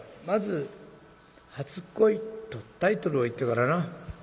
まず『初恋』とタイトルを言ってからな。